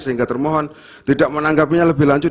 sehingga termohon tidak menanggapinya lebih lanjut